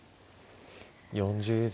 ４０秒。